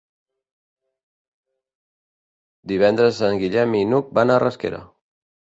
Divendres en Guillem i n'Hug van a Rasquera.